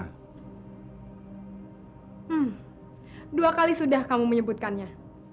hmm dua kali sudah kamu menyebutkannya